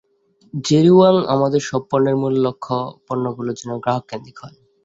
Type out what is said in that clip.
Jerry Wang আমাদের সব পণ্যের মূল লক্ষ্য পণ্যগুলো যেন গ্রাহককেন্দ্রিক হয়।